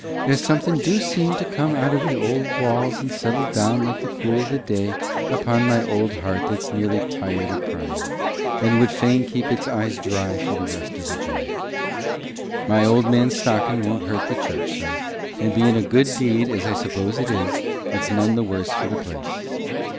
There's a something do seem to come out o' the old walls and settle down like the cool o' the day upon my old heart that's nearly tired o' crying, and would fain keep its eyes dry for the rest o' the journey. My old man's stockin' won't hurt the church, sir, and, bein' a good deed as I suppose it is, it's none the worse for the place.